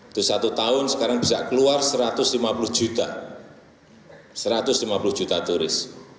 itu satu tahun sekarang bisa keluar satu ratus lima puluh juta satu ratus lima puluh juta turis